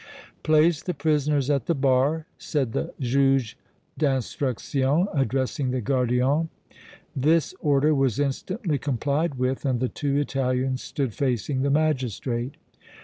"Place the prisoners at the bar," said the Juge d' Instruction, addressing the gardien. This order was instantly complied with and the two Italians stood facing the magistrate.